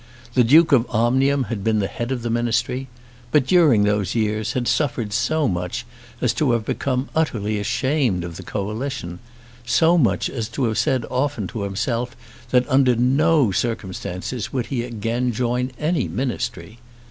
The Duke of Omnium had been the head of that Ministry; but during those years had suffered so much as to have become utterly ashamed of the coalition, so much as to have said often to himself that under no circumstances would he again join any Ministry.